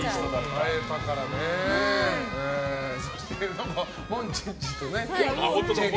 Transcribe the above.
そして、モンチッチとジェニー。